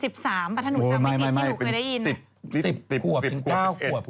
๑๓ปะถ้าหนูจำไม่ดีที่หนูเคยได้ยินไม่เป็น๑๐ควบถึง๙ควบค่ะ